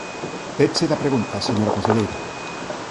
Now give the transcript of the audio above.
Peche da pregunta, señora conselleira.